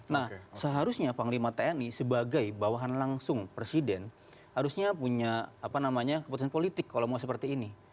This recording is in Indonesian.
nah seharusnya panglima tni sebagai bawahan langsung presiden harusnya punya keputusan politik kalau mau seperti ini